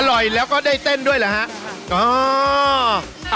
อร่อยแล้วก็ได้เต้นด้วยเหรอฮะ